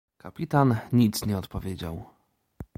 "Kapitan nic nie odpowiedział."